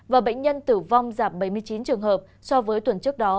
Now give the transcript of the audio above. và bệnh nhân tử vong tăng hơn một trăm sáu mươi bảy